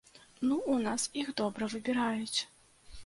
Ну, у нас іх добра выбіраюць.